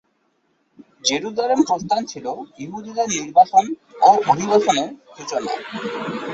Jerusalem প্রস্থান ছিলো ইহুদিদের নির্বাসন ও অভিবাসনের সূচনা।